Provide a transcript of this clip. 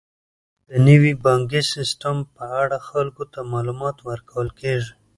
د نوي بانکي سیستم په اړه خلکو ته معلومات ورکول کیږي.